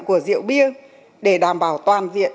của rượu bia để đảm bảo toàn diện